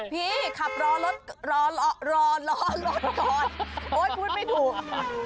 พี่ขับรอรถก่อนโอ๊ยพูดไม่ถูก